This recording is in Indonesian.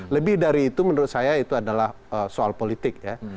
lebih dari itu menurut saya itu adalah soal politik ya